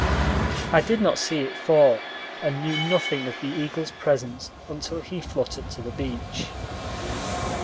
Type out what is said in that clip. I did not see it fall, and knew nothing of the eagle's presence until he fluttered to the beach.